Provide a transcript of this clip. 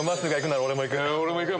俺もいくよ！